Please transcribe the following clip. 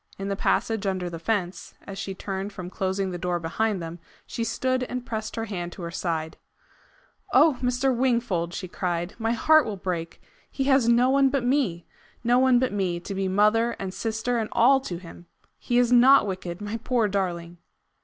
In the passage under the fence, as she turned from closing the door behind them, she stood and pressed her hand to her side. "Oh! Mr. Wingfold," she cried, "my heart will break! He has no one but me! No one but me to be mother and sister and all to him! He is NOT wicked my poor darling!"